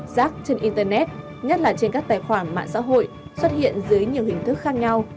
giác trên internet nhất là trên các tài khoản mạng xã hội xuất hiện dưới nhiều hình thức khác nhau